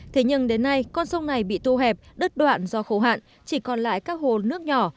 thế nhưng đến nay con sông này bị thu hẹp đứt đoạn do khô hạn chỉ còn lại các hồ nước nhỏ